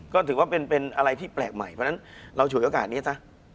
ก็ถือว่าเป็นอะไรที่แปลกใหม่เพราะฉะนั้นเราฉวยโอกาสนี้ซะ